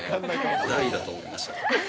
大だと思いました。